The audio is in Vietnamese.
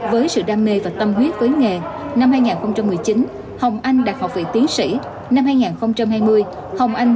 với sự đam mê và tâm huyết với nghề năm hai nghìn một mươi chín hồng anh đạt học vị tiến sĩ năm hai nghìn hai mươi hồng anh